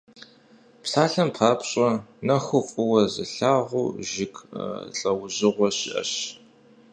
Псалъэм папщӀэ, нэхур фӀыуэ зылъагъу жыг лӀэужьыгъуэ щыӀэщ.